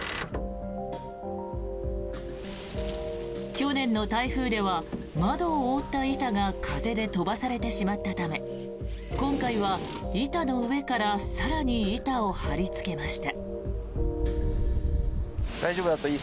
去年の台風では窓を覆った板が風で飛ばされてしまったため今回は、板の上から更に板を張りつけました。